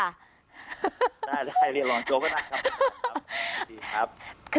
ได้เรียกรองโจ๊กก็ได้ค่ะ